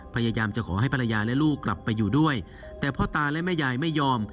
พยายามจะขอให้ภรรยาและลูกกลับไปอยู่ด้วยแต่พ่อตาและแม่ยายไม่ยอม